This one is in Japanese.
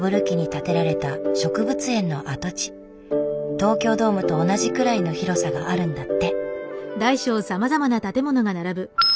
東京ドームと同じくらいの広さがあるんだって。